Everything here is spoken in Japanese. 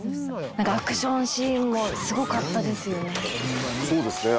アクションシーンもすごかったですよね。